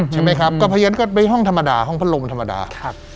ใช่ไหมครับก็เพราะฉะนั้นก็เป็นห้องธรรมดาห้องพัดลมมันธรรมดาครับ